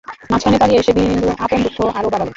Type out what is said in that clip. মাঝখানে পালিয়ে এসে বিন্দু আপন দুঃখ আরও বাড়ালে।